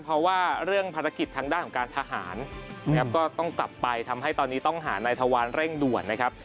เพราะว่าเรื่องภารกิจทางด้านของการทหารนะครับก็ต้องกลับไปทำให้ตอนนี้ต้องหานายทวารเร่งด่วนนะครับ